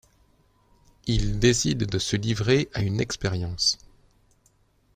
Ils décident de se livrer à une expérience.